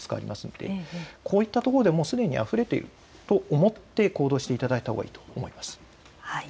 こういったところですでにあふれていると思って行動してもらったほうがいいと思います。